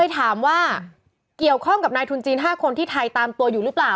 ถามว่าเกี่ยวข้องกับนายทุนจีน๕คนที่ไทยตามตัวอยู่หรือเปล่า